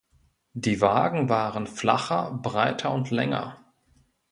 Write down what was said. Die Wagen waren flacher, breiter und länger.